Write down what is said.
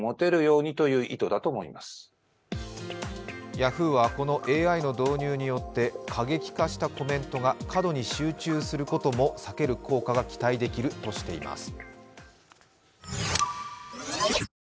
ヤフーはこのＡＩの導入によって、過激化したコメントが過度に集中することも避ける効果が期待できるとしています。